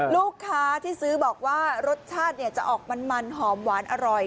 ลูกค้าที่ซื้อบอกว่ารสชาติจะออกมันหอมหวานอร่อย